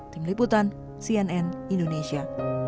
tim liputan cnn indonesia